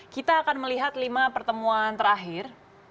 kita akan melihat lima pertemuan terakhir